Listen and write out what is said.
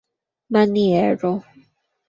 maniero